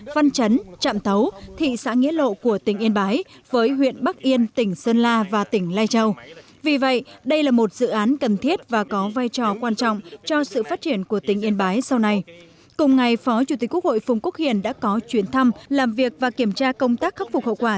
phó chủ tịch quốc hội phùng quốc hiển đã có chuyến thăm làm việc và kiểm tra công tác khắc phục hậu quả